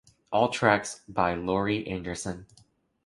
All tracks by Laurie Anderson.